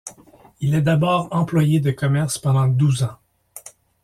Il est d'abord employé de commerce pendant douze ans.